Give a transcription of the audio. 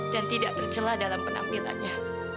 dan tidak terjelah dalam penampilannya